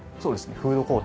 フードコート。